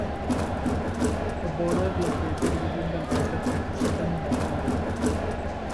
The borough is located within the Greater Pittston metro area.